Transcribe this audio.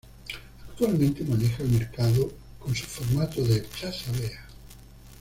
Actualmente maneja el mercado con su formato de Plaza vea.